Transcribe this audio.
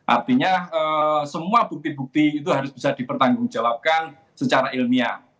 artinya semua bukti bukti itu harus bisa dipertanggungjawabkan secara ilmiah